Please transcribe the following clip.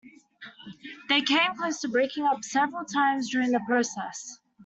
They came close to breaking up several times during the process.